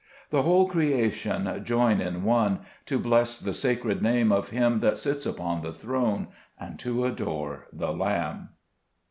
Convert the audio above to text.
5 The whole creation join in one, To bless the sacred Name Of Him that sits upon the throne, And to adore the Lamb.